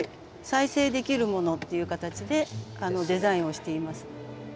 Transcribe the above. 再生できるものっていう形でデザインをしています。